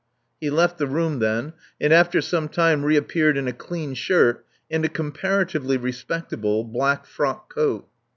'' He left the room then, and after some time reappeared in a clean shirt and a comparatively respectable black frock coat.